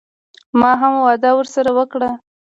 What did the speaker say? ما هم وعده ورسره وکړه.